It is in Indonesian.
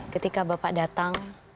ketika bapak datang